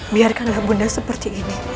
biarkanlah ibu nda seperti ini